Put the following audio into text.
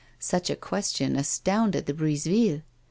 Such a question astounded the Brisevilles.